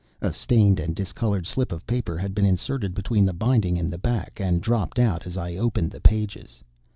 A stained and discolored slip of paper had been inserted between the binding and the back, and dropped out as I opened the pages.